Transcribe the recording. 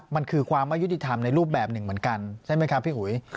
มันคือความไม่ยุติธรรมในรูปแบบหนึ่งเหมือนกันใช่ไหมครับพี่อุ๋ย